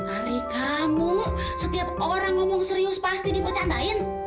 ari kamu setiap orang ngomong serius pasti dipecandain